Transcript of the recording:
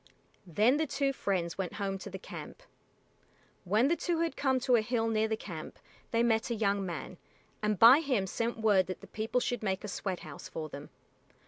Then the two friends went home to the camp. When the two had come to a hill near the camp they met a young man, and by him sent word that the people should make a sweat house for them.